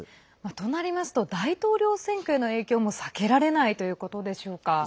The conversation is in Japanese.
となりますと大統領選挙への影響も避けられないということでしょうか？